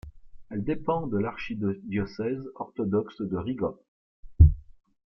Elle dépend de l'archidiocèse orthodoxe de Riga.